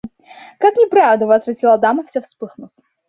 – Как неправда! – возразила дама, вся вспыхнув.